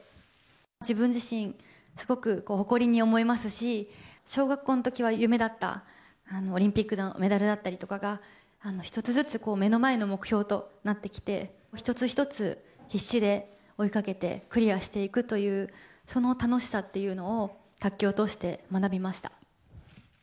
自分自身、すごく誇りに思いますし、小学校のときは夢だったオリンピックのメダルだったりとかが１つずつ目の前の目標となってきて、一つ一つ必死で追いかけてクリアしていくという、その楽しさというのを卓球を通して学びました。